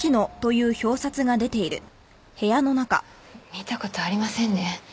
見た事ありませんね。